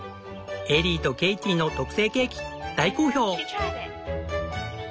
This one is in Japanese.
エリーとケイティの特製ケーキ大好評。